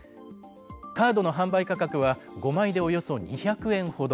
カードの販売価格は５枚でおよそ２００円ほど。